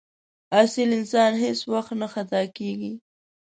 اصیل انسان هېڅ وخت نه خطا کېږي.